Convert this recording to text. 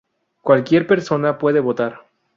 Cualquier persona puede votar.